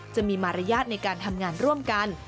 จะมีมารยาทในการทำงานร่วมกัน